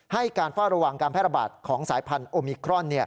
ให้การเฝ้าระวังการแพร่ระบาดของสายพันธุมิครอน